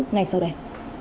ngay sau đây